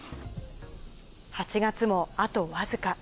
８月もあと僅か。